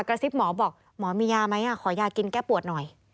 ซิบหมอบอกหมอมียาไหมขอยากินแก้ปวดหน่อย